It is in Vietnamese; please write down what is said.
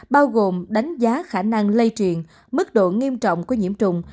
bao gồm đánh giá khả năng lây truyền mức độ nghiêm trọng của nhiễm trùng